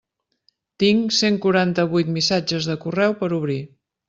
Tinc cent quaranta-vuit missatges de correu per obrir.